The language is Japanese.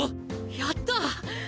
やったあ！